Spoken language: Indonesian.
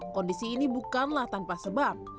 kondisi ini bukanlah tanpa sebab